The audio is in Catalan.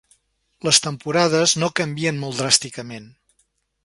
Les temporades no canvien molt dràsticament.